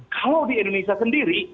kalau di indonesia sendiri